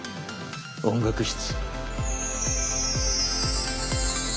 音楽室。